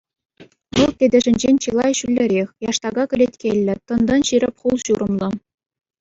Вӑл тетӗшӗнчен чылай ҫӳллӗрех, яштака кӗлеткеллӗ, тӑн-тӑн ҫирӗп хул-ҫурӑмлӑ.